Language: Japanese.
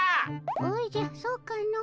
おじゃそうかの。